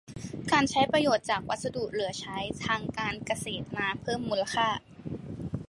การใช้ประโยชน์จากวัสดุเหลือใช้ทางการเกษตรมาเพิ่มมูลค่า